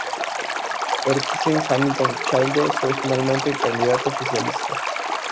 Erskine Hamilton Childers fue finalmente el candidato oficialista.